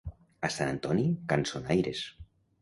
A Sant Antoni, cançonaires.